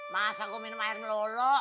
masa gua minum air melolok